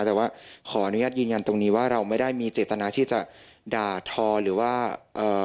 แต่ว่าขออนุญาตยืนยันตรงนี้ว่าเราไม่ได้มีเจตนาที่จะด่าทอหรือว่าเอ่อ